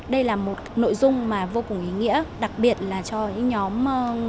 đây là một nội dung mà vô cùng ý nghĩa đặc biệt là cho những nhóm